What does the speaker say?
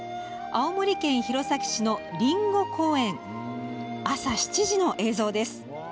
青森県弘前市のりんご公園朝７時の映像です。